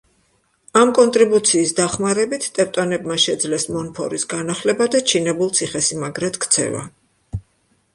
ამ კონტრიბუციის დახმარებით ტევტონებმა შეძლეს მონფორის განახლება და ჩინებულ ციხესიმაგრედ ქცევა.